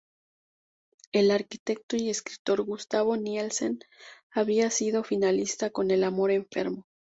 El arquitecto y escritor Gustavo Nielsen había sido finalista con "El amor enfermo".